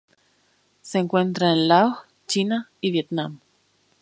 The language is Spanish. Se encuentra en Laos, China y Vietnam.